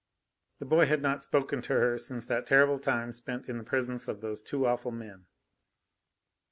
The boy had not spoken to her since that terrible time spent in the presence of those two awful men.